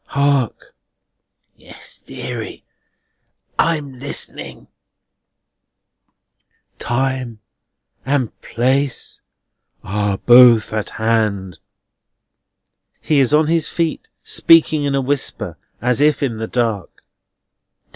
Hark!" "Yes, deary. I'm listening." "Time and place are both at hand." He is on his feet, speaking in a whisper, and as if in the dark.